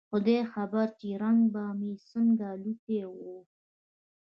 خداى خبر چې رنگ به مې څنګه الوتى و.